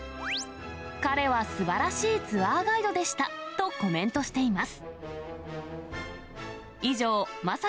彼はすばらしいツアーガイドでしたとコメントしています。